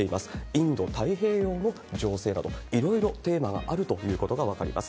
インド・太平洋の情勢など、いろいろテーマはあるということが分かります。